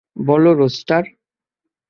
বলো, রুস্টার।